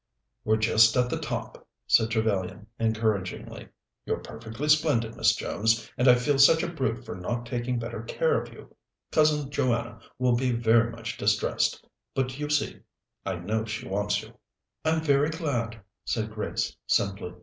"We're just at the top," said Trevellyan encouragingly. "You're perfectly splendid, Miss Jones, and I feel such a brute for not taking better care of you. Cousin Joanna will be very much distressed; but, you see, I know she wants you." "I'm very glad," said Grace simply.